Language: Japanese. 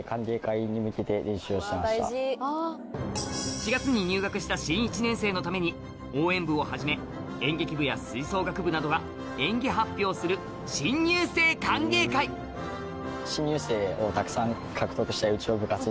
４月に入学した新１年生のために応援部をはじめ演劇部や吹奏楽部などが演技発表する新入生歓迎会になってます。